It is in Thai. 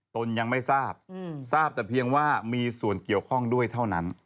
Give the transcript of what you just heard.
ตนยังไม่ทราบทราบแต่เพียงว่ามีส่วนเกี่ยวข้องด้วยเท่านั้น